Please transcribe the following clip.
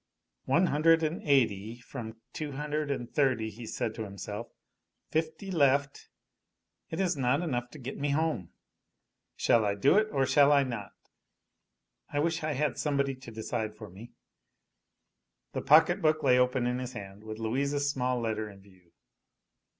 "One hundred and eighty ....... from two hundred and thirty," he said to himself. "Fifty left ...... It is enough to get me home ....... Shall I do it, or shall I not? .... I wish I had somebody to decide for me." The pocket book lay open in his hand, with Louise's small letter in view.